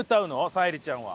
沙莉ちゃんは。